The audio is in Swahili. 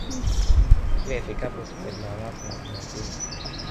Kila ifikapo siku za Jumamosi na Jumapili